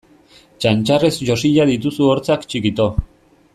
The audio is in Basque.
Txantxarrez josia dituzu hortzak txikito!